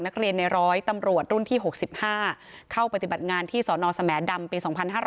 นักเรียนในร้อยตำรวจรุ่นที่๖๕เข้าปฏิบัติงานที่สนสแหมดำปี๒๕๕๙